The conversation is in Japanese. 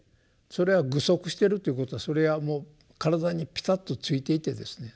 それは具足してるということはそれはもう体にピタッとついていてですね